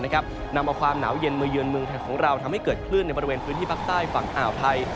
นำเอาความหนาวเย็นมาเยือนเมืองไทยของเราทำให้เกิดคลื่นในบริเวณพื้นที่ภาคใต้ฝั่งอ่าวไทย